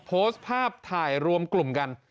โพสต์ภาพถ่ายรวมกลุ่มกัน